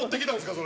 それ。